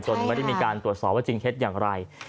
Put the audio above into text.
ไม่ได้มีการตรวจสอบว่าจริงเท็จอย่างไร